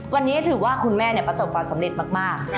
วันนี้ถือว่าคุณแม่เนี่ยประสบฝันสำเร็จมาก